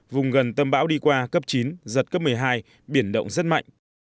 vùng gần tâm bão đi qua cấp chín giật cấp một mươi hai biển động rất mạnh